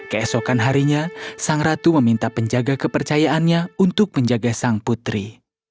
keesokan harinya sang ratu meminta penjaga kepercayaannya untuk menjaga sang putri